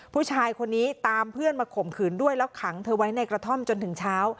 ผู้ชายคนนี้ตามเพื่อนมาข่มขืนด้วยแล้วขังเธอไว้ในกระท่อมจนถึงเช้า